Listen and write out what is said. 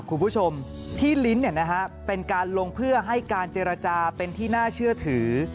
คุณผู้ชมพี่ลิ้นเป็นการลงเพื่อให้การเจรจาเป็นที่น่าเชื่อถือ